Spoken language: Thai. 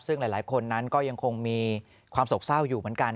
ซึ่งหลายคนนั้นก็ยังคงมีความโศกเศร้าอยู่เหมือนกัน